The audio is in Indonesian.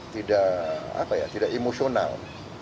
tidak apa ya tidak emosional